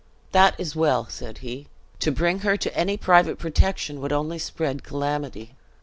"That is well," said he; "so bring her to any private protection would only spread calamity.